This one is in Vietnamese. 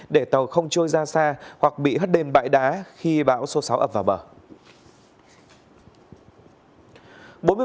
để tàu không trôi ra xa hoặc bị hất đền bãi đá khi bão số sáu ập vào bờ